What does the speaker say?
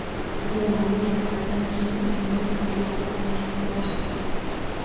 Dugonamning gaplaridan keyin o'zimni qo'lga olib, harakatni boshladim